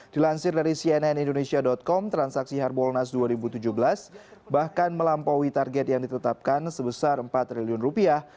dilansir dari cnn indonesia com transaksi harbolnas dua ribu tujuh belas bahkan melampaui target yang ditetapkan sebesar empat triliun rupiah